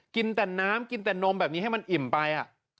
กินแต่น้ำกินแต่นมแบบนี้ให้มันอิ่มไป